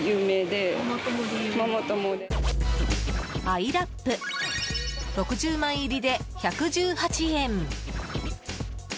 アイラップ６０枚入りで１１８円。